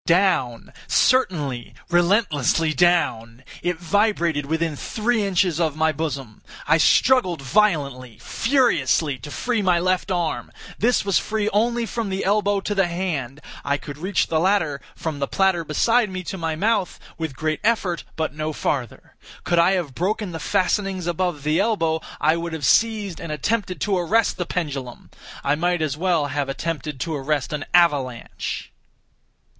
Down—certainly, relentlessly down! It vibrated within three inches of my bosom! I struggled violently, furiously, to free my left arm. This was free only from the elbow to the hand. I could reach the latter, from the platter beside me, to my mouth, with great effort, but no farther. Could I have broken the fastenings above the elbow, I would have seized and attempted to arrest the pendulum. I might as well have attempted to arrest an avalanche!